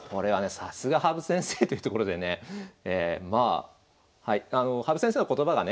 さすが羽生先生というところでね羽生先生の言葉がね